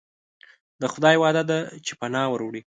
د خدای وعده ده چې پناه وروړي.